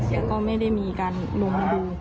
แต่ก็ไม่ได้มีการลงมาดู